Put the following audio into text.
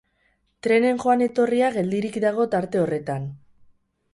Trenen joan-etorria geldirik dago tarte horretan.